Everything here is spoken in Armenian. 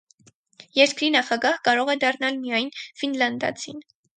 Երկրի նախագահ կարող է դառնալ միայն ֆինլանդացին։